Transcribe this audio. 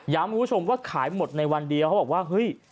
คุณผู้ชมว่าขายหมดในวันเดียวเขาบอกว่าเฮ้ย